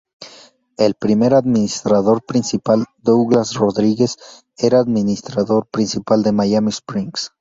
El primer administrador principal, Douglas Rodriguez, era el administrador principal de Miami Springs.